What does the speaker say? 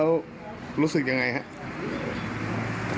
แล้วรู้สึกยังไงครับ